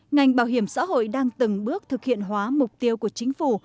ngành bảo hiểm xã hội đang từng bước thực hiện hóa mục tiêu của chính phủ